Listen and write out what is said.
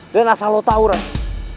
dan asal lo tau raya